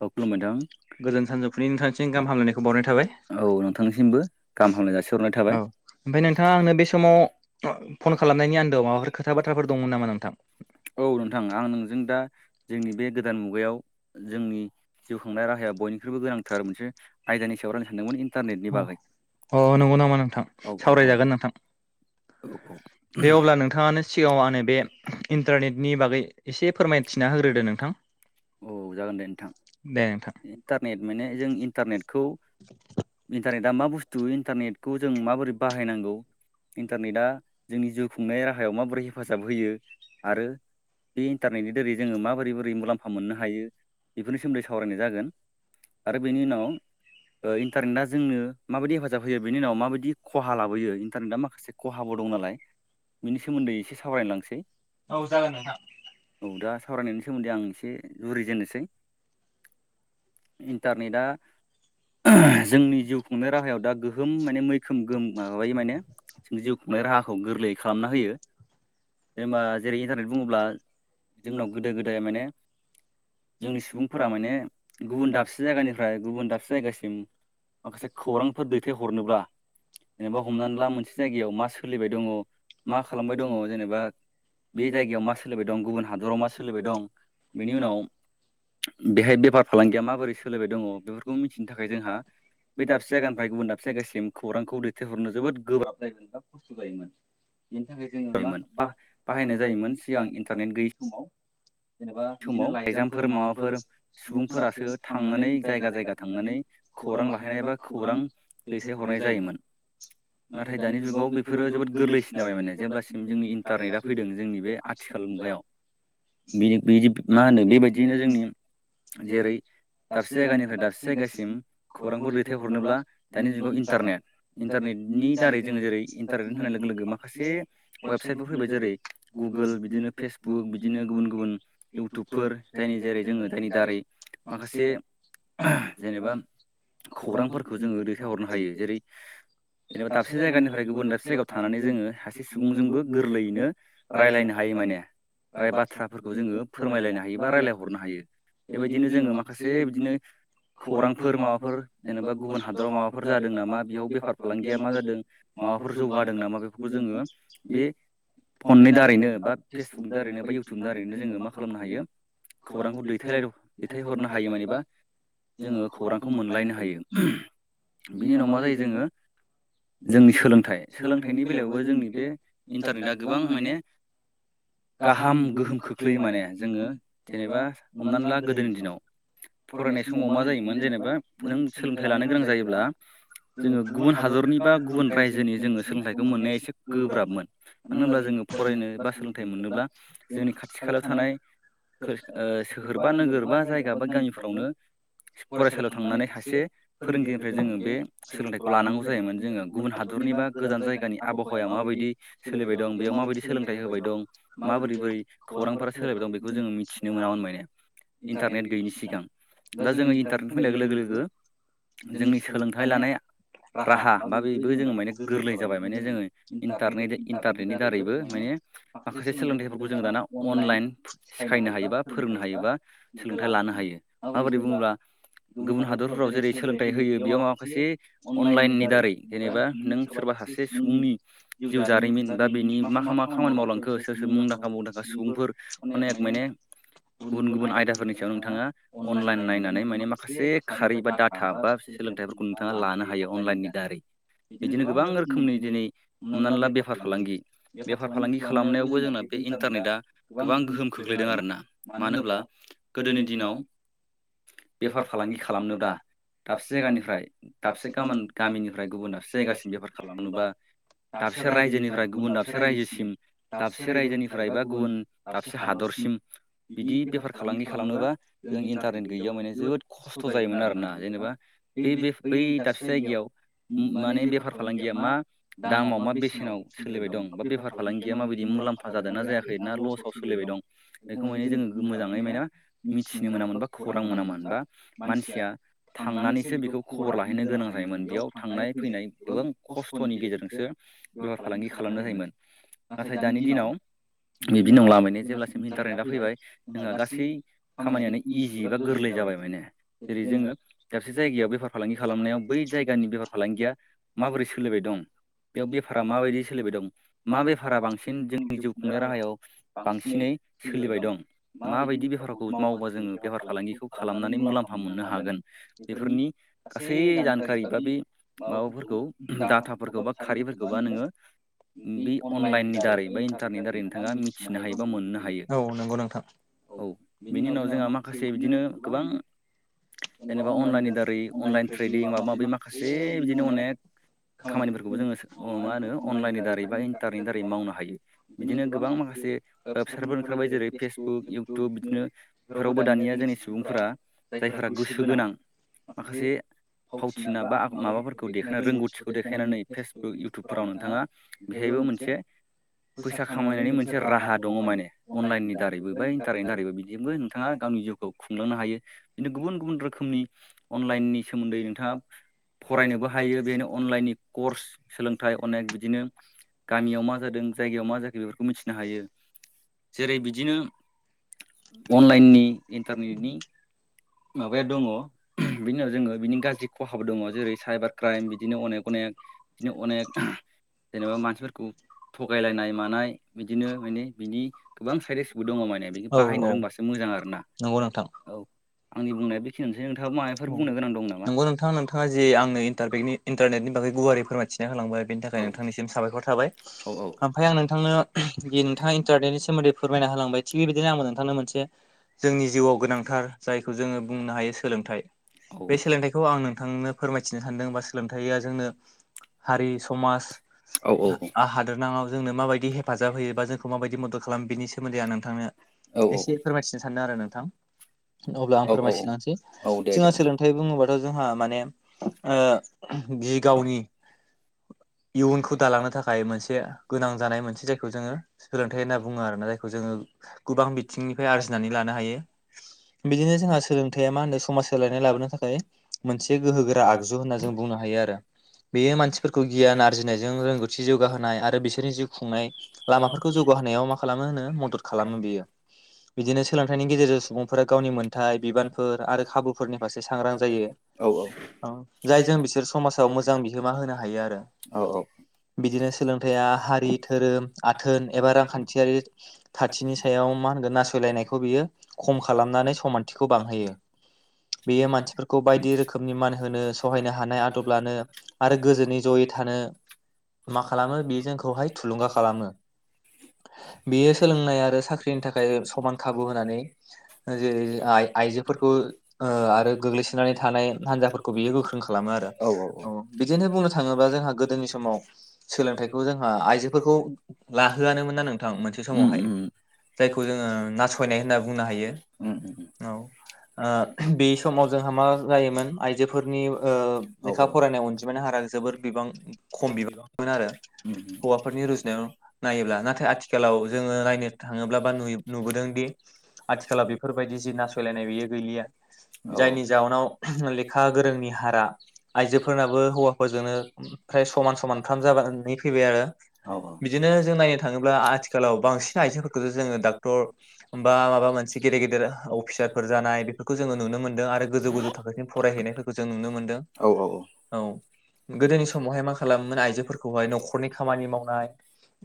औ खुलुमबाय नोंथां गोजान सानजौफुनि नोंथांसिनि गाहाम हामलायनायखौ बावनाय थाबाय औ ओमफाय नोंथाङा आंनो बे समाव फन खालामनायनि आन्दोआव माबाफोर खोथा बाथ्राफोर दंअ नामा नोंथां? औ नोंथां आं नोंजों दा जोंनि बे गोदान मुगायाव जोंनि जिउ खांनाय राहाया बयनिख्रुइबो गोनांथार मोनसे आयदानि सायाव सावरायनो सानदोंमोन इन्टारनेटनि बागै अ नंगौ नामा नोंथां सावरायजागोन नोंथां दे अब्ला नोंथाङानो सिगाङाव आनो बे इन्टारनेट नि बागै एसे फोरमायथिना होग्रोदो नोंथां औ जागोन दे नोंथां [inaudible] इन्टारनेटा मा बुस्थु इन्टारनेटखौ जों माबोरै बाहायनांगौ इन्टारनेदआ जोंनि जिउ खुंनाय राहायाव माबोरै हेफाजाब होयो आरो बे इन्टारनेटनि दोरै जोङो माबोरै बोरै मुलाम्फा मोननो हायो बेफोरनि सोमोन्दै सावरायनाय जागोन आरो बेनि [unintelligible] ओ इन्टारनेटआ जोंनो माबायदि हेफाजाब होयो बेनि उनाव माबायदि खहा लाबोयो इन्टारनेटआ माखासे खहाबो दं नालाय बिनि सोमोन्दै एसे सावराय लांसै औ दा सावरायनायनि सोमोन्दै आं एसे जुरिजेननोसै इन्टारनेटआ जोंनि जिउ खुंनाय राहायाव दा गोहोम माने मैखोम गोहोम माबायो माने जों जिउ खुंनाय राहाखौ गोरलै खालामना होयो। जेनेबा जेरै इन्टारनेट बुङोब्ला जोंनाव गोदो गोदाय माने जोंनि सुबुंफोरा माने गुबुन दाबसे जायगानिफ्राय गुबुन दाबसे जायगासिम माखासे खौरांफोर दैथायहरनोब्ला जेनेबा हमनानै ला मोनसे जायगायाव मा सोलिबाय दङ मा खालामबाय दङ जेनेबा बे जायगायाव मा सोलिबाय दं गुबुन हादराव मा सोलिबाय दं बेनि उनाव बेहाय बेफार फालांगिया माबोरै सोलिबाय दङ बेफोरखौ मिथिनो थाखाय जोंहा बे दाबसे जायगानिफ्राय गुबुन दाबसेगसेम गोबां जोबोद गोब्राब जायोमोन नों खसथ जायोमोन बेनि थाखाय जोङो मा ब बाहायनाय जायोमोन सिगां इन्टारनेट गैयै समाव समाव एगजामफोर माबाफोर सुबुंफोरासो थांनानै जायगा जायगा थांनानै खौरां लाहैनाय एबा खौरां दैथायहरनाय जायो योमोन नाथाय दानि जुगाव बेफोरो जोबोद गोरलैसिन जाबाय माने जेब्लासिम जोंनि इन्टारनेटआ फैदों जोंनि बे आथिखाल मुगायाव [unintelligible] बिदि मा होनो बेबायदियैनो जोंनि जेरै - दाबसे जायगानिफ्राय दाबसे जायगासिम खौरांखौ दैथायहरनोब्ला दानि जुगाव इन्टारनेट इन्टारनेट नि दारै जोङो जेरै इन्टारनेट होनाय लोगो लोगो माखासे वेबसाइटफोर फैबाय जेरै गुगोल बिदि बिदिनो फेसबुक बिदिनो गुबन गुबन इउथुबफोर जायनि जेरै जों जायनि दारै माखासे जेनेबा खौरांफोरखौ जोङो दैथायायहरनो हायो जेरै- जेनेबा दाबसे जायगानिफ्राय गुबुन दाबसे जायगायाव थांनानै जोङो सासे सुबुंजोंबो गोरलैयैनो रायज्लायनो हायो बे माने बाथ्राफोरखौ जोङो फोरमायलायनो हायो बा रायलायहरनो हायो। बेबायदिनो जोङो माखासे बिदिनो खौरांफोर माबाफोर जेनेबा गुबुन हादराव माबाफोर जादों नामा बेयाव बेफार फालांगिया मा जादों माबाफोर जौगादों नामा बेफोरखौ जोङो बे फननि दारैनो बा फेसबुकनि दारैनो बा इउटुबनि दारैनो जोङो मा खालामनो हायो खौरांखौ दै दैथायहरनो हायो मानबा जोङो खौरांखौ मोनलायनो हायो बिनि उनाव मा जायो जोङो जोंनि सोलोंथाइ सोलोंथाइनि बेलायावबो जोंनि बे इन्टारनेटआ गोबां माने गाहाम गोहोम खोख्लैयो माने जोङो जेनेबा हमनानै ला गोदोनि दिनाव फरायनाय समाव मा जायोमोन जेनेबा नों सोलोंथाइ लानो गोनां जायोब्ला जोङो गुबुन हादरनि बा गुबुन रायजोनि जोङो सोलोंथाइखौ मोननाया एसे गोब्राबमोन मानो होनब्ला जोङो जङो फरायनो बा सोलोंथाइ मोनोब्ला जोंनि खाथि खालायाव थानाय औ सोहोरबा नोगोर बा जायगा बा गामिफ्रावनो फरायसालियाव थांनानै सासे फोरोंगिरिनिफ्राय जोङो बे सोलोंथाइखौ लानांगौ जायोमोन जोङो गुबुन हादराव रनिबा गोजान जायगानि आबहावाया मााबायदि सोलिबाय दं बेयाव माबायदि सोलोंथाइ होबाय दं माबोरै बोरै खौरांफोरा सोलायबाय दं बेखौ जोङो मिथिनो मोनामोन मान इन्टारनेट गैयिनि सिगां दा जोङो इन्टारनेट होनैनाय लोगो लोगो लोगो जोंनि सोलोंथाइ लानाया राहा बा बेबो जोङो माने गोरलै जाबाय माने जोङो इन्टारनेट इन्टारनेटनि दारैबो मे ने माखासे सोलोंथाइफोरखौ जों दाना अनलाइन सिखायनो हायोबा फोरोंनो हायोबा सोलोंथाइ लानो हायो माबोरै बुङोब्ला गुबुन हादरफोराव जेरै सोलोंथाइ होयो बेयाव माखासे अनलाइननि दारै जेनेबा नों सोरबा सासे सुबुंनि जिउ जारिमिन बा बेनि मा मा खामानि मावलांखो सोर सोर मुंदांखा मुंदांखा सुबुं फोर अनेक माने गुबुन गुबुन गुबुन आयदाफोरनि सायाव नोंथाङा अनलाइन नायनानै माने माखासे खारि बा डाटा बा सोलोंथाइफोरखौ नोंथां बिथाङा लानो हायो अनलाइननि दारै बिदिनो गोबां रोखोमनि दिनै हमना ला बेफार फालांगि बेफार फालांगि खालामनायावबो जोंना बे इन्टारनेटआ गोबां गोहोम खोख्लैदों आरोना मानोब्ला गोदोनि दिनाव बेफार फालांगि खालामनो दा दाबसे जायगानिफ्राय दाबसे गामोन गामिनिफ्राय गुबुन दाबसे जायगासिम बेफार खालामनोबा दाबसे रायजोनिफ्राय गुबुन दाबसे रायजोसिम दाबसे रायजोनिफ्राय बा गुबुन दा साबसे हादरसिम बिदि बेफा फालांगि खालामनोबा जों इन्टारनेट गैयैयाव माने जोबोद खस्थ जायोमोन आरोना जेनेबा बे बै दाबसे जायगायाव माने बेफार फालांगिया मा दामाव मा बेसेनाव सोलिबाय दं बा बेफार फालांगिया माबायदि मुलाम्फा जादों ना जायाखै ना लसाव सोलिबाय दं बेखौ माने जोङो मोजाङै मायना मिथिनो मोनोन बा खौरां मोनामोन बा मानसिया थांनानैसो बेखौ खबर लाहैनो गोनां जायोमोन बेयाव थांनाय फैनाय गोबां खस्थनि गेजेरजोंसो बेफार फालांगि खालाम जायोमोन नाथाय दानि दिनाव [inaudible] आंलामैनो जेब्लासिम इन्टारनेटआ फैबाय जोंहा गासै खामानियानो इजि बा गोरलै जाबाय माने जेरै जोङो दाबसे जायगायाव बेफार फालांगि खालामनायाव बै जायगानि बेफार फालांगिया माबोरै सोलिबाय दं बेयाव बेफारा माबायदि सोलिबाय दं मा बेफारा बांसिन जोंनि जिउ खुंनाय राहायाव बांसिनै सोलिबाय दं माबायदि बेफारखौ मावोबा जोङो बेफार फालांगिखौ खालामनानै मुलाम्फा मोननो हागोन बेफोरनि गासै जानखारि बा बे माबाफोरखौ डाटाफोरखौ बा खारिफोरखौबा नोङो बे अनलाइननि दारै बा इन्टारनेटनि दारै नोंथाङा मिथि नो हायो बा मोननो हायो औ नंगौ नोंथां औ बेनि उनाव जोंहा माखासे बिदिनो गोबां जेनेबा अनलाइननि दारै अनलाइन ट्रेडिं माबा माबि माखासे बिदिनो अनेक खामानिफोरखौबो जोङो मा होनो अनलाइननि दारै बा इन्टारनेटनि दारै मावनो हायो। बिदिनो गोबां माखासे से वेबसाइटफोर ओंखारबाय जेरै फेसबुक इउटुब बिदिनो बेफोरावबो दानिया जोंनि सुबुंफोरा जायफोरा गोसो गोनां माखासे फावथिना बा आ माबाफोरखौ देखायना रोंगौथिखौ देखायनानै फेसबुक इउटुबफोराव नोंथाङा बेहाय बो मोनसे फैसा खामायनायनि मोनसे राहा दङ' माने अनलाइननि दारैबो बा इन्टारनेटनि दारैबो बिदिबो नोंथाङा गावनि जिउखौ खुंलांनो हायो। बिदिनो गुबुन गुबुन रोखोमनि अनलाइननि सोमोन्दै नोंथाङा फरायनोबो हायो बेनो अनलाइननि कर्स सोलोंथाइ अनेक बिदिनो गामियाव मा जादों जायगायाव मा जाखो बेफोरखौ मिथिनो हायो। जेरै बिदिनो अनलाइननि इन्टारनेटनि माबाया दङ' बिदिनो जोंङो बिदिनो गाज्रि खहाबो दङ'। जेरै साइबार क्राइम बिदिनो अनेक अनेक जे अनेक जेनेबा मानसिफोरखौ थगायलायनाय मानाय बिदिनो माने बि गोबां साइडेसि दंङ'। औ औ मोजां आरोना नंगौ नोंथां। आंनि बुंनायाथ' [unintelligible] नोंगौ नोंथां नोंथाङा जे आंनो इन्टरपेकनि इन्टारनेट नि बागै गुवारै फोरमायथिना होलांबाय बेनि थाखाय नोंथांनिसिम साबायखर थाबाय। ओमफाय आं नोंथांनो बि नोंथाङा इन्टारनेटनि सोमोन्दै फोरमायना होलांबाय थिग बेबायदिनो आंबो नोंथांनो मोनसे जोंनि जिउआव गोनांथार जायखौ जोङो बुंनो हायो सोलोंथाइ बे सोलोंथाइखौ आं नोंथांनो फोरमायथिनो सान्दों बा सोलोंथाइया जोंनो हारि, समाज, हादोरनाङाव जोंनो माबायदि हेफाजाब होयोबा जों माबायदि मदद खालाम बिनि सोमोन्दै आं नोंथांनो एसे फोरमायथिनो सानदों आरो नोंथां। अब्ला आं फोरमायथिनानसै जोंहा सोलोंथाइ बुङोबाथ जोंहा माने ओ बि गावनि इयुनखौ दालांनो थाखाय मोनसे गोनां जानाय मोनसे जायखौ जोङो सोलोंथाइ होनना बुङो आरोना जायखौ जोङो गोबां बिथिंनिफ्राय आरजिनानै लानो हायो। [unintelligible] बिदिनो जोंहा सोलोंथाइया मा होनो समाज सोलायनाय लाबोनो थाखाय मोनसे गोहोगोरा आगजु होनना जों बुंनो हायो आरो। बेयो मानसिफोरखौ गि नायजों रोंगौथि जौगाहोनाय आरो बिसोरनि जिउ खुंनाय लामाफोरखौ जौगाहोनायाव मा खालामो होनो मदद खालामो मो बियो। बिदिनो सोलोंथाइनि गेजेरजों सुबुंफोरा गावनि मोनथाय बिबानफोर आरो खाबुफोरनि फारसे सांग्रां जायो। जायजों बिसोर समाजाव मोजां बिहोमा होनो हायो आरो। औ औ। बिदिनो सोलोंथाइया हारि, धोरोम, आथोन एबा रांखान्थियारि खाथिनि सायाव मा होनगोन नासयलायनायखौ बियो खम खालामनानै समानथिखौ बांहोयो। बेयो मानसिफोरखौ बायदि रोखोमनि मान होनो सहायनो हानाय आदब लानो आरो गोजोननि जयै था नो मा खालामो बेयो जोंखौहाय थुलुंगा खालामो। बेयो सोलोंनाय आरो साख्रिनि थाखाय समान खाबु होनानै जेरै आइ-आइजोफोरखौ आरो गोग्लैसोनानै थानाय हान्जाफोरखौ बियो गोख्रों खालामो आरो। अ बिदिनो बुंनो थाङोबा जों जोंहा गोदोनि समाव सोलोंथाइखौ जोंहा आइजोफोरखौ लाहोआनोमोन ना नोंथां मोनसे समावहाय। उम। जायखौ जोङो नास'यनाय होनना बुंनो हायो। उम। औ ओ बे समाव जोंहा मा जायोमोन आइजोफोरनि ओ लेखा फरायनाय अनजिमानि हारा जोबोर बिबां खम बिबां आरो उम हौवाफोरनि रुपजों नायोब्ला नाथाय आथिखालाव जोङो नायनो थाङोब्ला बा नु-नुबोदोंदि आथिखाला बे फोरबायदि जि नासयलायनाय बियो गैलिया जायनि जाहोनाव लेखा गोरोंनि हारा आइजोफोरनाबो हौवाफोरजोंनो ओमफ्राय समान समानफ्राम जाबानानै फैबाय आरो बिदिनो जों नायनो थाङोब्ला आथिखालाव बांसिन आइज फोरखोथ' जों डाकटर बा माबा मोनसे गेदेर गेदेर गेदेर अफिसारफोर जानाय बेफोरखौ जोङो नुनो मोनदों आरो गोजौ गोजौ थाखोसिम फरायहैनायफोरखौ जों नुनो मोन्दों। औ औ औ औ गोदोनि समाव हाय मा खालामोमोन आयजोफोरखौहाय न'खरनि खामानि मावनाय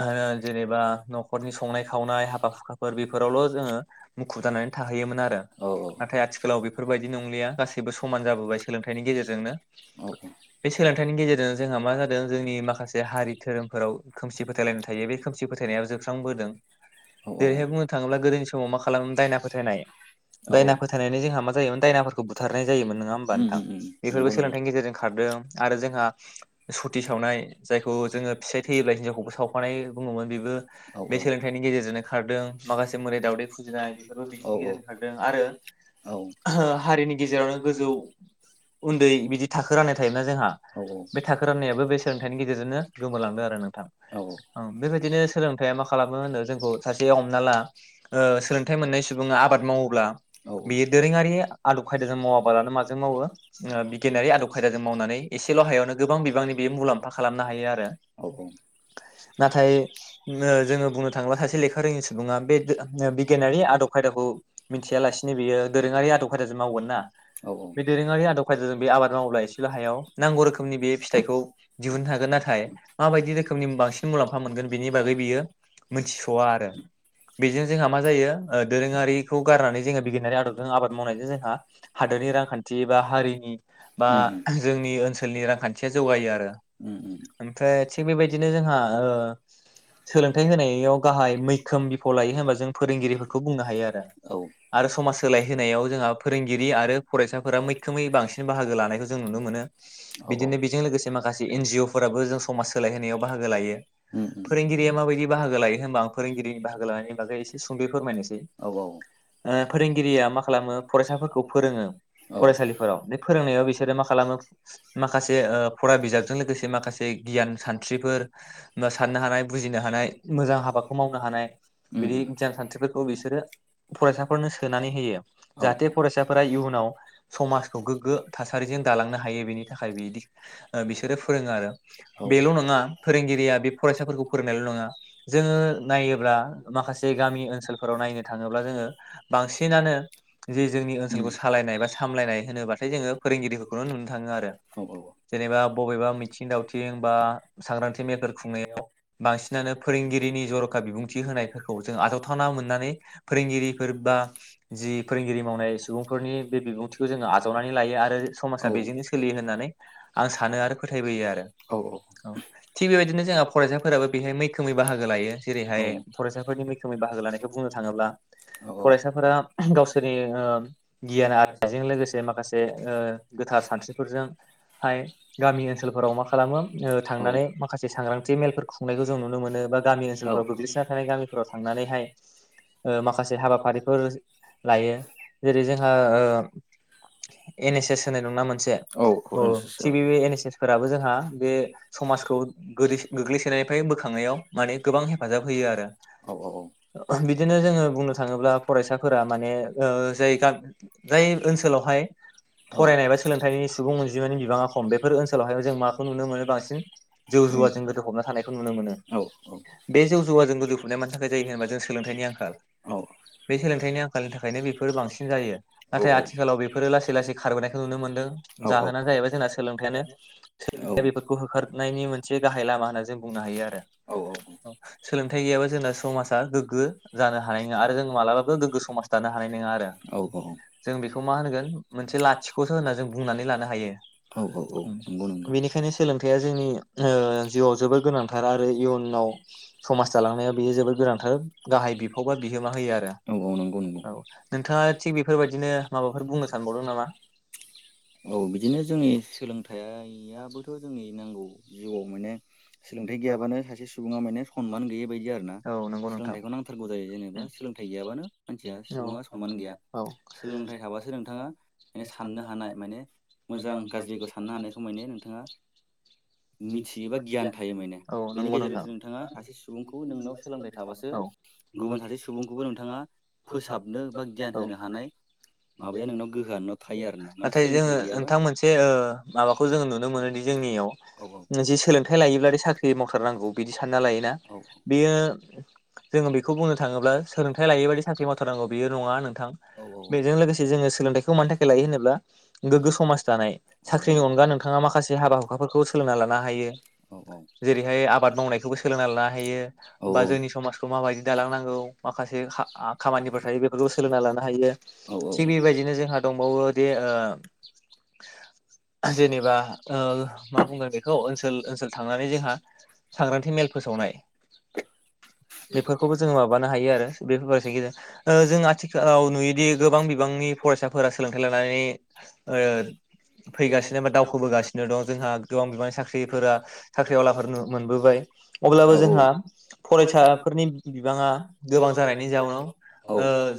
ओ जेनेबा न'खरनि संनाय खावनाय हाखा हुखाफोर बेफोरावल' जोङो मुखुब दानानै थाहैयोमोन आरो नाथाय आथिखालाव बेफोरबायदि नंलिया गासैबो समान जाबोबाय सोलोंथाइनि गेजेरजों। [unintelligible] जोंहा मा जादों जोंनि माखासे हारि धोरोमफोराव खोमसि फोथायलायनाय थायो बे खोमसि फोथायनायाव जोस्रांबो [unintelligible] जेरैहाय बुंनो थाङोब्ला गोदोनि समाव मा खालामो खालाम दायना फोथायनाय दायना फोथायनायनि जोंहा मा जायोमोन दायनाफोरखौ बुथारनाय जायोमोन नङा होमबा नोंथां बेफोरबो सोलोंथाइनि गेजेरजों खारदों आरो जोंहा सुथि सावनाय जायखौ जोङो फिथाइ थैयोब्ला हिनजावखौबो सावफानाय बुङोमोन बेबो बे सोलों सोलोंथाइनि गेजेरजोंनो खारदों माखासे मोदाइ दावदाय ओमफ्राय बेफोरबो बिदिनि गेजेरजोंनो खारदों आरो ओ हारिनि गेजेरावनो गोजौ उन्दै बिदि थाखो राननाय थायोना जोंहा बे थाखो राननायाबो बे सोलोंथाइनि गेजेरजोंनो गोमोलांदों आरो नोंथां बेबायदिनो सोलोंथाइया मा खालाम मा होनो जोंखौ सासेयाव हमना ला ओ सोलोंथाइ मोननाय सुबुङा आबाद मावोब्ला बेयो दोरोङारि आदब खायदाजों मावाबालानो माजों मावो ओ बिगियानारि आदब खायदाजों इसेल'‌ हायावनो गोब गोबां बिबां बि मुलाम्फा खालामनो हायो आरो औ-औ नाथाय नो जोङो बुंनो थाङोब्ला सासे लेखा रोङि सुबुङा बे बिगियानारि आदब खायदाखौ मिथिया लासिनो बेयो दोरोङारि आदब खायदाजों मावगोन ना बे दोरोङारि आदब खायाजों बे आबाद मावोबब्ला एसेल' हायाव नांगौरोखोमनि निबियो फिथाइखौ दिहुननो हागोन नाथाय माबायदि रोखोमनि बांसिन मुलाम्फा मोनगोन बेनि बागै बियो मिथिस'आ आरो बेजों जोंहा मा जायो ओ दोरोङारिखौ गारनानै जोंङो बिगियानारि आदबजों आबाद मावनायजों जोंहा हादोरनि रां खाथि बा हनि बा जोंनि ओनसोलनि जौगायो आरो ओमफ्राय थिगबायदिनो जोंहा ओ सोलोंथाइ होनायाव गाहाय मैखोम फाव लायो होनबा जों फोरोंगिरिफोरखौ बुंनो हायो आरो समाज सोलाय होनोनायाव जोंहा फोरोंगिरि आरो फरायसाफोरा मैखोमै बांसिन बाहागो लानायखौ जों नुनो मोनो। बिदिनो बेजों लोगोसे माखासे एन जि अ फोराबो जों समाज सोलायहोनायाव बाहागो लायो फोरोंगिरिया माबायदि बाहागो लायो होनबा आं फोरोंगिरिनि बाहागो लानायनि बागै एसे सुंदयै फोरमायनोसै ओ फोरोंगिरिया मा खालामो फरायसाफोरखौ फोरोङो फरायसालिफोराव बे फोरोंनायाव बिसोरो मा खालामो [unintelligible] माखासे ओ फरा बिजाबजों लोगोसे माखासे गियान सानस्रिफोर साननो हानाय बुजिनो हानाय मोजां हाबाखौ मावनो हानाय बिदि गियान सानस्रिफोरखौ बिसोरो फरायसाफोरनो सोनानै होयो जाहाथे फरायसाफोरा इउनाव समाजखौ गोग्गो थासारिजों दालांनो हायो बेनि थाखाय बिदि बिसोरो फोरोङो आरो बेल' नङा फोरोंगिरिया बे फरायसाफोरखौ फोरोंनायल' नङ नङा जोङो नायोब्ला माखासे गामि ओनसोलफोराव नायनो थाङोब्ला जोङो बांसिनानो जे जोंनि ओनसोलखौ सालाय सायनाय बा सामलायनाय होनोबाथाय जोङो फोरोंगिरिफोरखौनो नुनो थाङो। आरो जेनेबा बबेबा मिथिं दावथिं बा सांग्रांथि मेलफोर खुंनायाव बांसिनानो फोरोंगिरिनि जर'खा बिबुंथि होनायफोर खौ जों आजावथावना मोननानै फोरोंगिरिफोर बा जि फोरोंगिरि मावनाय सुबुंफोरनि बे बिबुंथिखौ जोङो आजावनानै लायो आरो समाजा बेजोंनो सो लियो होननानै आं सानो आरो फोथाय बोयो आरो थि बेबायदिनो जोंहा फरायसाफोराबो बे बेहाय मैखोमै बाहागो लायो जेरैहाय फरायसा फोरनि मैखोमै बाहागो लानायखौ बुंनो थाङोब्ला फरायसाफोरा गावसोरनि ओ गियान आ आइजों लोगोसे माखासे ओ गोथार सानस्रिफोर जों हाय गामि ओनसोलफोराव मा खालामो ओ थांनानै माखासे सांग्रांथि मेल फोर खुंनायबो जों नुनो मोन बा गामिओनोलफ्राव गोग्लैसोनानै थानाय गामिफोराव थांनानैहाय ओ माखासे हाबाफारिफोर लायो जेरै जोंहा ओ एन एस-एस होनाय दंना मोनसे औ ओ थिग बे एन एस-एस फोराबो जोंहा बे समाजखौ गोदैख गोग्लैसोनायनिफ्राय बोखांनायाव माने गोबां हेफाजाब होयो आरो औ औ औ बिदिनो जोङो बुंनो थाङोब्ला फरायसाफोरा माने ओ जायगा जाय ओनसोलाव ओमफाय फरायनाय बा सोलोंथाइनि सु बुं अनजिमानि बिबाङा खम बेफोर ओनसोलावहाय जों माखौ नुनो मोन बांसिन जौ जुवाजों गोदो हबना थानायखौ नुनो मोन नो बे जौ जुवाजों गोजौफुनाय मानि थाखाय जायोहोनोबा जों सोलोंथाइनि आंखाल बे सोलोंथाइनि आंखालनि थाखायनो बेफोर बांसिन जायो। आ नाथाय आथिखालाव बेफोरो लासै लासै खारबोनायखौ नुनो मोनदों। जाहोना जाहैबाय जोंना सोलोंथायानो सोलोंथाया बेफोरखौ होखारनायनि मोनसे गाहाय लामा होनना जों बुंनो हा यो आरो सोलोंथाय गैयाबा जों ब्ला समाजा गोग्गो जानो हानाय नोङा आरो जों मालाबाबो गोग्गो समाज दानो हानाय नोङा आरो। जों बेखौ मा होनगोन मोनसे लाथिख'सो होनना जों बुं नानै हायो बेनिखायनो सोलोंथाइया जोंनि ओ जिउआव जोबोर गोनां थार आरो इउनाव समास दालांनाया बि यो जोबोर गोनांथार गाहाय बिफावबा बिहोमा होयो आरो औ नोंथाङा थि बेफोरबायदि नो माबाफोर बुंनो सानबावदों नामा? [unintelligible] औ बिदिनो जोंनि सोलोंथाइआबोथ' जोंनि नांगौ जिउआव माने सोलों थाइ गैयाबानो सासे सुबुङा माने खनमान गैयैबायद दि आरोना सोलोंथाइखौ नांथारगौ जायो जेनेबा सोलोंथाइ गैयाबानो मानसिया सुबुङा सनमान गैया सोलोंथाइ थाबासो नोंथाङा माने साननो हानाय माने मोजां गाज्रिखौ साननो हानायखौ माने नोंथाङा मिथियोबा गियान थायो माने बेनि गेजेरजोंसो नोंथाङा सासे सुबुंखौ नोंनाव सोलोंथाइ थाबासो गुबुन हासे सुबुंखौबो नोंथाङा फोसाबनो बा गियान होनो हानाय [unintelligible] माबाया नोंनाव गोहोआ नोंनाव थायो आरो ना नाथाय जोङो नोंथां मोनसे ओ माबाखौ जोङो नुनो मोनोदि जोंनियाव जोङो सोलोंथाइ लायोब्लाथायदे साख्रि मावथारनांगौ बिदि सानना लायोना बेयो जोङो बेखौ बुंनो थाङोब्ला सोलोंथाइ लायै बाददि साख्रि मावथारनांगौ बेयो नङा नोंथां बेजों लोगोसे जोङो सोलोंथाइखौ मानि थाखाय लायो होनोब्ला गोग्गो समाज दानाय साख्रिनि अनगा नोंथाङा माखासे हाबा हुखाफोरखौ सोलोंना लानो हायो जेरैहाय आबाद मावनायखौबो सोलोंनानै लानो हायो बा जोंनि समाजखौ माबायदि दालांनांगौ माखासे खा आ खामानिफोर थायो बेफोरखौ सोलोंना लानो हायो। थिग बेबायदिनो जोंहा दंबावो दे ओ [unintelligible] जेनेबा ओ मा बुंगोन बेखौ ओनसोल ओनसोल थांनानै जोंहा सांग्रांथि मेल फोसावनाय [unintelligible] बेफोरखौबो जोङो माबानो हायो आरो बेफो [unintelligible] ओ जों आथिखालाव नुयोदि गोबां बिबां नि फरायसाफोरा सोलोंथाइ लानानै ओ फैगासिनो बा दावखोबोगासिनो दं जोंहा गोबां बिबांनि साख्रिफोरा साख्रि आवलाफोर मोनबोबाय अब्लाबो औ फरायसाफोरनि बिबाङा गोबां जानायनि जाउनाव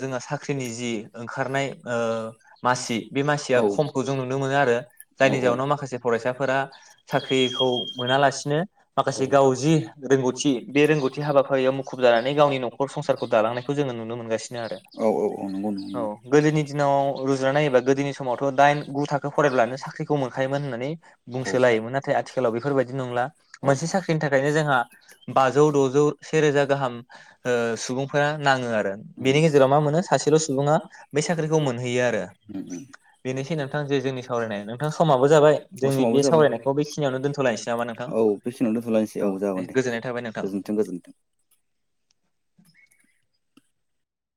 जोंहा साख्रिनि जि ओंखारनाय ओ मासि बे मासिया खमखौ जों नुनो मोना। आरो जायनि जाउनाव माखासे फरायसाफोरा साख्रिखौ मोनालासिनो माखासे गाव जि रोंगौथि बे रोंगौथि हाबाफारियाव मुखुब जानानै गावनि नखर संसारखौ दालांनायखौ जोङो नुनो मोनगासिनो आरो औ गोदोनि दिनाव रुजुनानै नायोबा गोदोनि समावथ' दाइन गु फरायब्लानो साख्रिखौ मोनखायोमोन होननानै बुंसो लायोमोन नाथाय आथिखालाव बेफोरबायदि नंला मोनसे साख्रि नि थाखायनो जोंहा बाजौ द'जौ सेेरोजा गाहाम सुबुंफोरा नाङो आरो बेनि गेजेराव मा मोनो सासेल' सुबुङा बै साख्रिखौहो यो आरो बे निखिनि समाबो जाबाय औ बेखिनिाव दोनथ'लाय [unintelligible] दे गोजोननाय थाबाय नोंथां।